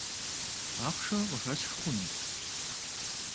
Ахъшэ къыхэсх хъуну?